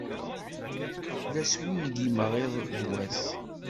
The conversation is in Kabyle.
La swingimeɣ iḍ d wass.